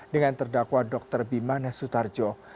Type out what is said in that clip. dengan terdakwa dr bimanes sutarjo